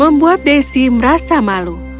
membuat daisy merasa malu